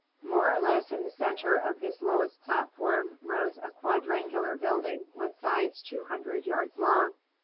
More or less in the centre of this lowest platform rose a quadrangular building with sides two hundred yards long.